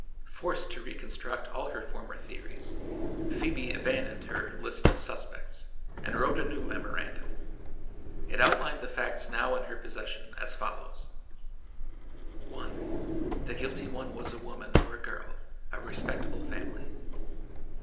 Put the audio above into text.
Forced to reconstruct all her former theories, Phoebe abandoned her "list of suspects" and wrote a new memorandum. It outlined the facts now in her possession as follows: "1 The guilty one was a woman or a girl, of respectable family.